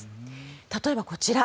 例えば、こちら。